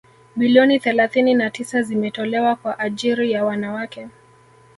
bilioni thelathini na tisa zimetolewa kwa ajiri ya wanawake